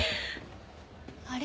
あれ。